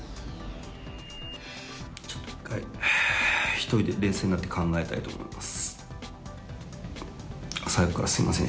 ちょっと一回、１人で冷静になって考えたいと思います。